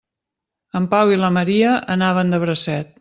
En Pau i la Maria anaven de bracet.